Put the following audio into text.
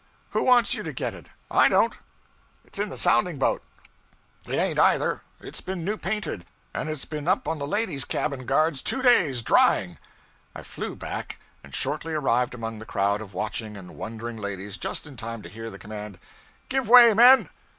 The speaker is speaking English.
'Who wants you to get it? I don't. It's in the sounding boat.' 'It ain't, either. It's been new painted; and it's been up on the ladies' cabin guards two days, drying.' I flew back, and shortly arrived among the crowd of watching and wondering ladies just in time to hear the command: 'Give way, men!'